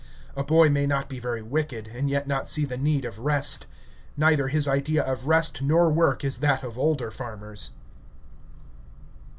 A boy may not be very wicked, and yet not see the need of "rest." Neither his idea of rest nor work is that of older farmers.